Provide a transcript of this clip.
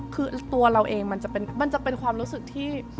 คือตัวเราเองมันจะเป็นความรู้สึกที่